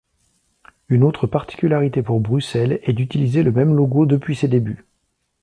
Une autre particularité pour Bruxelles est d'utiliser le même logo depuis ses débuts.